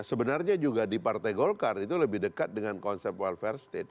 sebenarnya juga di partai golkar itu lebih dekat dengan konsep welfare state